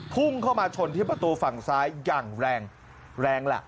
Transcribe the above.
พุ่งเข้ามาชนที่ประตูฝั่งซ้ายอย่างแรงแรงล่ะ